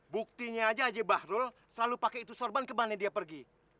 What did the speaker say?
buktinya aja bahrul selalu pakai itu sorban kemana dia pergi